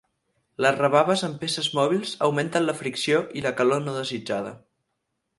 Les rebaves en peces mòbils augmenten la fricció i la calor no desitjada.